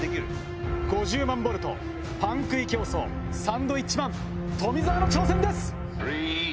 ５０万ボルトパン食い競争サンドウィッチマン・富澤の挑戦です！